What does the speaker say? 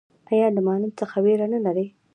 ایا له معلم څخه ویره نلري؟